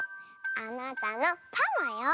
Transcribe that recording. あなたのパマよ。